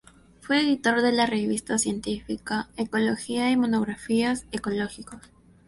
Fue editor de la revista científica "Ecología y Monografías ecológicos".